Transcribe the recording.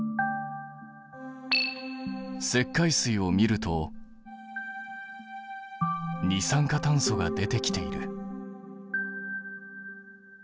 石灰水を見ると二酸化炭素が出てきている。